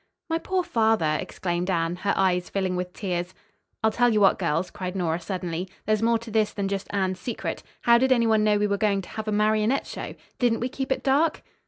"My poor father!" exclaimed Anne, her eyes filling with tears. "I'll tell you what, girls," cried Nora suddenly, "there's more to this than just Anne's secret. How did anyone know we were going to have a marionette show? Didn't we keep it dark?"